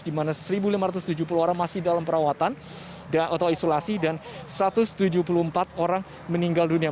di mana satu lima ratus tujuh puluh orang masih dalam perawatan atau isolasi dan satu ratus tujuh puluh empat orang meninggal dunia